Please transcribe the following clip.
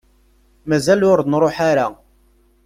Mazal ur nruḥ ara.